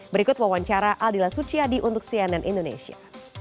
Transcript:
berikut wawancara aldila suciadi untuk cnn indonesia